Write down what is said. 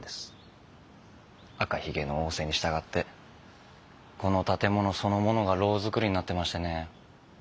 赤ひげの仰せに従ってこの建物そのものが牢造りになってましてね。